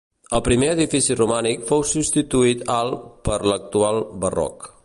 El primer edifici romànic fou substituït al per l'actual barroc.